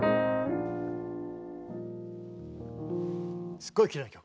すっごいきれいな曲。